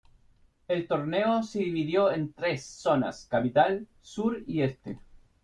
El torneo se dividió en tres zonas: capital, sur y este.